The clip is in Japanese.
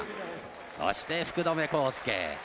そして福留孝介。